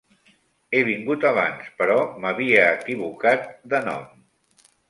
He vingut abans, però m'havia equivocat de nom.